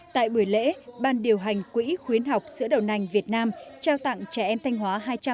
tại buổi lễ ban điều hành quỹ khuyến học sữa đậu nành việt nam trao tặng trẻ em thanh hóa